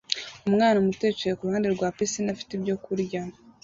Umwana muto yicaye kuruhande rwa pisine afite ibyo kurya